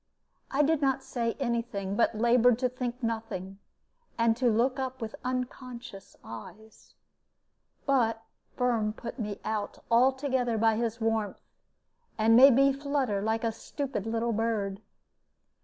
I did not say any thing, but labored to think nothing and to look up with unconscious eyes. But Firm put me out altogether by his warmth, and made me flutter like a stupid little bird.